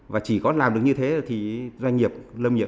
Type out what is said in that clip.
và chỉ có làm được như thế thì doanh nghiệp lâm nghiệp